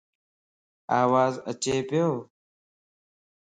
آواز اچي پيو؟